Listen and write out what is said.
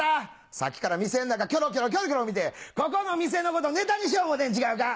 さっきから店の中キョロキョロキョロキョロ見てここの店のことネタにしよう思うてん違うか？」。